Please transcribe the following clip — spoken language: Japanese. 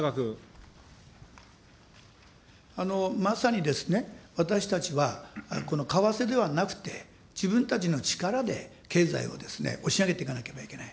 まさにですね、私たちはこの為替ではなくて、自分たちの力で経済を押し上げていかなければならない。